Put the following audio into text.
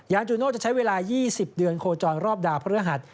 จูโน่จะใช้เวลา๒๐เดือนโคจรรอบดาวพระฤหัส